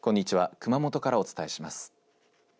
熊本からお伝えします。